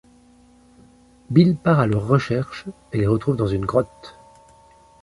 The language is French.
Bill part à leur recherche et les retrouve dans une grotte.